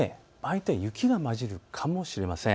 雪が交じるかもしれません。